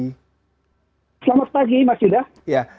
selamat pagi mas yuda